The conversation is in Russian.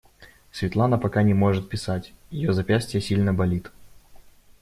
Светлана пока не может писать, ее запястье сильно болит.